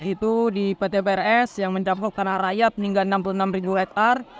itu di pt brs yang mencampur tanah rakyat meninggal enam puluh enam hektare